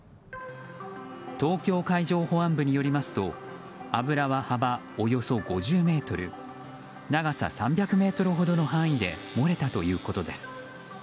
東京海上保安部によりますと油は、幅およそ５０ｍ長さ３００ｍ程の範囲で漏れたということです。